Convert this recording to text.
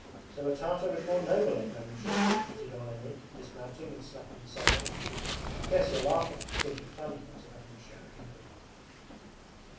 'So a Tartar is more noble, eh, Vanyusha?' repeated Olenin, dismounting and slapping the saddle. 'Yes, you're laughing! You think it funny,' muttered Vanyusha angrily.